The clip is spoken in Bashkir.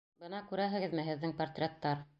Бына, күрәһегеҙме, һеҙҙең портреттар...